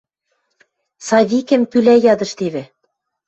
Савикӹм пӱлӓ ядыштевӹ.